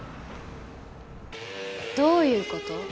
どういうこと？